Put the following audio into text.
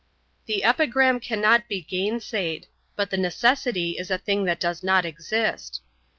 The epigram cannot be gainsayed; but the necessity is a thing that does not exist.